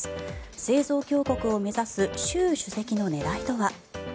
製造強国を目指す習主席の狙いとは。